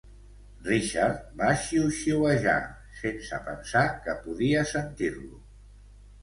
Richard va xiuxiuejar, sense pensar que podia sentir-lo.